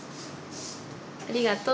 ありがとう。